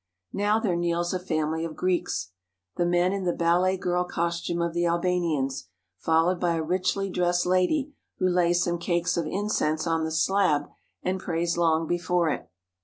Now there kneels a family of Greeks, the men in the ballet girl costume of the Albanians, fol lowed by a richly dressed lady who lays some cakes of incense on the slab, and prays long before it.